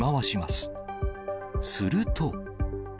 すると。